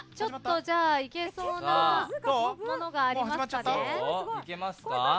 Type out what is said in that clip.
いけそうなものがありますね。